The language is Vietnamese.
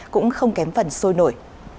cũng không kém phần sôi nổi